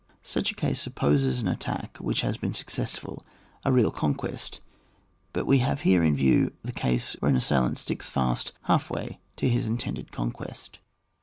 Such a case supposes an attack which has been successftil, a real con quest; but we have here in view the case where an assailant sticks fiast half way to his intended conquest.